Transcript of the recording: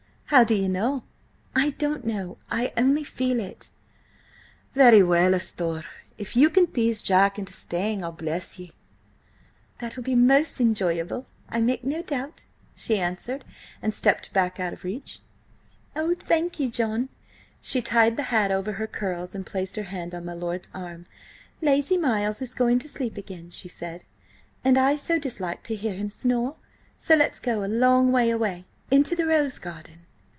"How do ye know?" "I don't know; I only feel it." "Very well, asthore. If you can tease Jack into staying, I'll bless ye." "That will be most enjoyable, I make no doubt!" she answered, and stepped back out of reach. "Oh, thank you, John!" She tied the hat over her curls, and placed her hand on my lord's arm. "Lazy Miles is going to sleep again!" she said. "And I so dislike to hear him snore, so let's go a long way away–into the rose garden!"